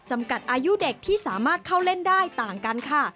จำกัดอายุเด็กที่สามารถเข้าเล่นได้ต่างกันค่ะ